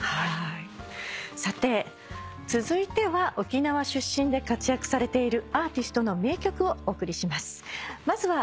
さて続いては沖縄出身で活躍されているアーティストの名曲をお送りします。